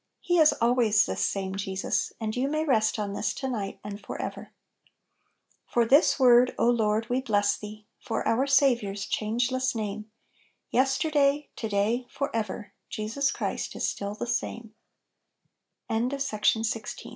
He is always "this same Jesus"; and you may rest on this to night, and forever. " For this word, Lord, we bless Thee, For our Saviour's changeless name; Yesterday, to day, forever, Jesus Christ is s